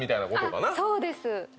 そうです。